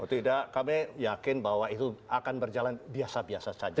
tidak kami yakin bahwa itu akan berjalan biasa biasa saja